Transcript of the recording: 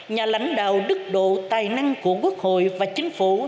nhà lãnh đạo đức độ tài năng của quốc hội và chính phủ